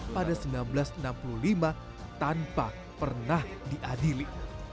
pada seribu sembilan ratus enam puluh lima tanpa pernah diadili